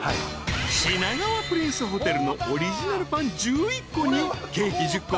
［品川プリンスホテルのオリジナルパン１１個にケーキ１０個。